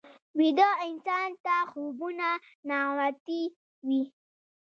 ویده انسان ته خوبونه نغوتې وي